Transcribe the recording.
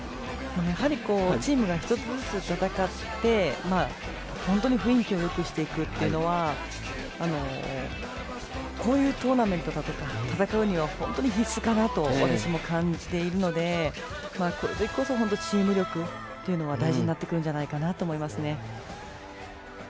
やはりチームが１つずつ戦って本当に雰囲気をよくしていくというのはこういうトーナメントだとか戦いには本当に必須かなと私も感じているのでこういう時こそチームの力というのが大事になってくると思いますね。